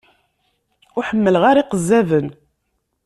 Ur ḥemmleɣ ara iqezzaben.